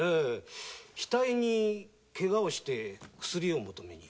額にケガして薬を求めに。